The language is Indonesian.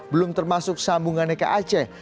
belum termasuk sambungannya ke aceh